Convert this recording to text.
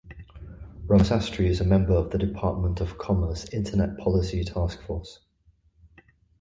Ramasastry is a member of the Department of Commerce Internet Policy Task Force.